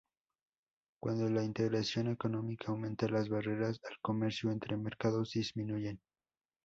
Cuando la integración económica aumenta, las barreras al comercio entre mercados disminuyen.